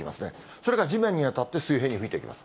それが地面に当たって水平に吹いていきます。